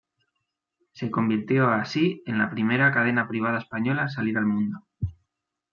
Se convirtió, así, en la primera cadena privada española en salir al mundo.